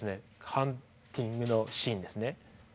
ハンティングのシーンですね。